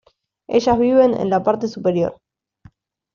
Ellas viven en la parte superior.